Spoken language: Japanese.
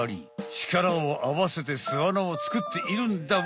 ちからをあわせて巣あなをつくっているんだわ。